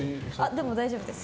でも、大丈夫です。